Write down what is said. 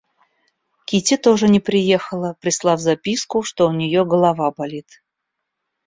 Кити тоже не приехала, прислав записку, что у нее голова болит.